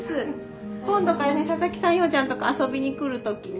今度からね佐々木さんいおちゃんとこ遊びに来る時にね